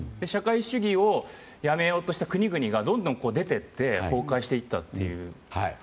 社会主義をやめようとした国々がどんどん出ていって崩壊していったっていう。